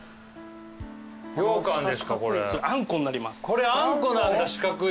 これあんこなんだ四角い。